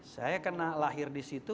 saya kena lahir di situ